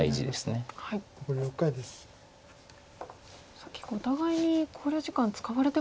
さあ結構お互いに考慮時間使われてますね。